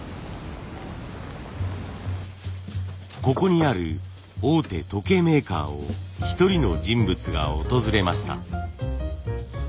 ここにある大手時計メーカーを１人の人物が訪れました。